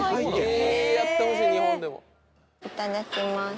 いただきます。